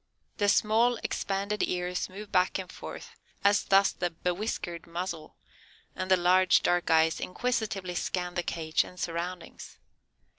The small, expanded ears move back and forth as does the bewhiskered muzzle, and the large, dark eyes inquisitively scan the cage and surroundings.